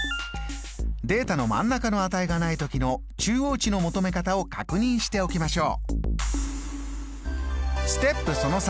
データの真ん中の値がない時の中央値の求め方を確認しておきましょう。